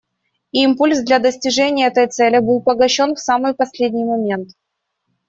Импульс для достижения этой цели был погашен в самый последний момент.